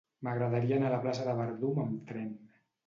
M'agradaria anar a la plaça del Verdum amb tren.